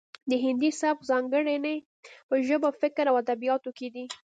د هندي سبک ځانګړنې په ژبه فکر او ادبیاتو کې دي